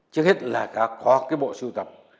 trước hết là có cái bộ siêu tập